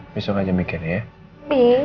besok aja mikir ya